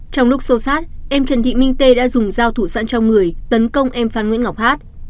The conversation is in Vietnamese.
trong lúc sâu sát em trần thị minh tê đã dùng dao thủ sẵn trong người tấn công em phan nguyễn ngọc hát